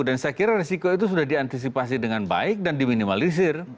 dan saya kira resiko itu sudah diantisipasi dengan baik dan diminimalisir